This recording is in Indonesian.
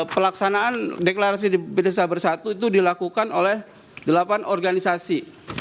pelaksanaan deklarasi di desa bersatu itu dilakukan oleh delapan organisasi